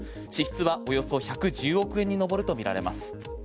およそ１１０億円に上るとみられます。